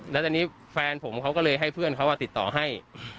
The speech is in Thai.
แล้วตอนนี้แฟนผมเขาก็เลยให้เพื่อนเขาติดต่อให้